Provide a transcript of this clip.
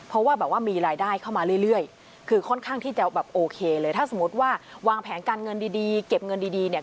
เพราะว่าแบบว่ามีรายได้เข้ามาเรื่อยคือค่อนข้างที่จะแบบโอเคเลยถ้าสมมุติว่าวางแผนการเงินดีเก็บเงินดีเนี่ย